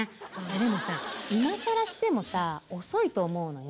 でもさ今さらしてもさ遅いと思うのよ。